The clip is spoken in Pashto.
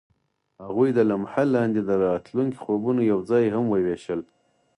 هغوی د لمحه لاندې د راتلونکي خوبونه یوځای هم وویشل.